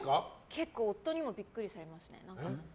結構、夫にもビックリされますね。